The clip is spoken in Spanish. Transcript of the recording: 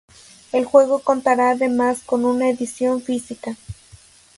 El juego contará además con una edición física.